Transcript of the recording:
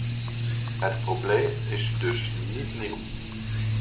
Het probleem is dus niet nieuw.